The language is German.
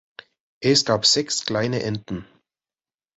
Es gab sechs kleine Enten.